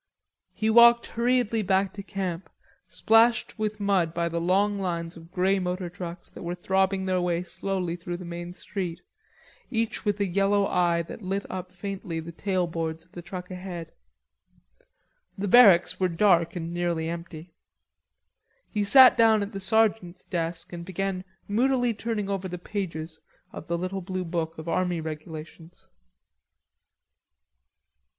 He walked hurriedly back to camp, splashed with mud by the long lines of grey motor trucks that were throbbing their way slowly through the main street, each with a yellow eye that lit up faintly the tailboards of the truck ahead. The barracks were dark and nearly empty. He sat down at the sergeant's desk and began moodily turning over the pages of the little blue book of Army Regulations.